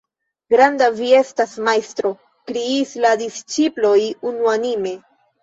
"Granda vi estas majstro!" Kriis la disĉiploj unuanime.